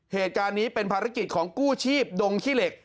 เหตุการณ์นี้เป็นภารกิจของกู้ชีพดงขี้เหล็ก